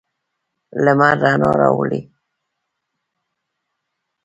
لمر رڼا راوړي.